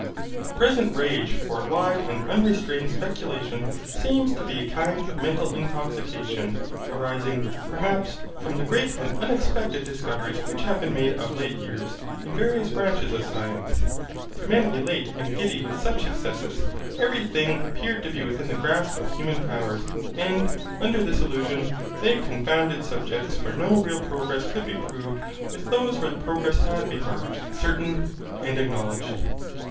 The present rage for wide and unrestrained speculation seems to be a kind of mental intoxication, arising, perhaps, from the great and unexpected discoveries which have been made of late years, in various branches of science. To men elate and giddy with such successes, every thing appeared to be within the grasp of human powers; and, under this illusion, they confounded subjects where no real progress could be proved with those where the progress had been marked, certain, and acknowledged.